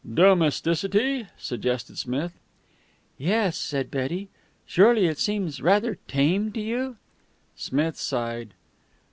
"Domesticity?" suggested Smith. "Yes," said Betty. "Surely it all seems rather tame to you?" Smith sighed.